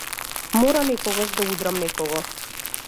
Мора некогаш да удрам некого.